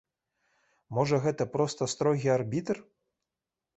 Можа, гэта проста строгі арбітр?